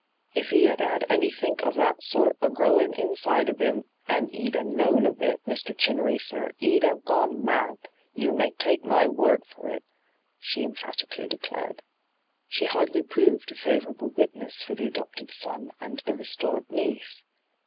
' If he had had anythink of that sort a growin' inside of 'im, and 'e'd 'a' known of it, Mr. Chinnery, sir, 'e'd 'ave gone mad, yoa may take my word for it/ she emphatically declared. She hardly proved a favourable witness for the adopted son and the restored niece.